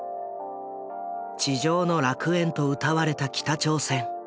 「地上の楽園」とうたわれた北朝鮮。